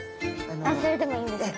あっそれでもいいんですか？